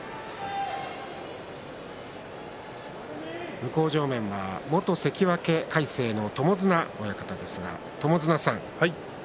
向正面は元関脇魁聖の友綱親方です。